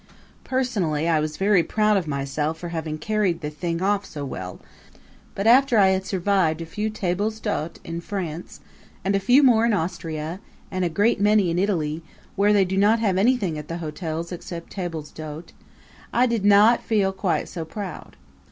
Personally I was very proud of myself for having carried the thing off so well but after I had survived a few tables d'hote in France and a few more in Austria and a great many in Italy, where they do not have anything at the hotels except tables d'hote, I did not feel quite so proud.